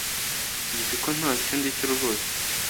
nzi ko ntacyo ndicyo rwose